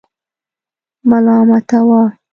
ملامتاوه.